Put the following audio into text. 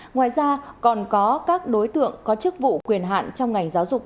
ngoài ra còn có các đối tượng có chức vụ quyền hạn trong ngành giáo dục